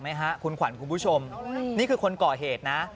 ไหมฮะคุณขวัญคุณผู้ชมนี่คือคนก่อเหตุนะ